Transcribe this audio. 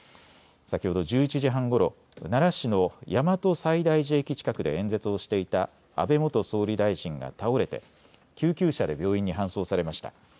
先ほど１１時半ごろ奈良市の大和西大寺駅近くで演説をしていた安倍元総理大臣が倒れて救急車で病院に搬送されました。